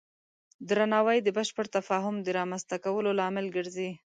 درناوی د بشپړ تفاهم د رامنځته کولو لامل ګرځي.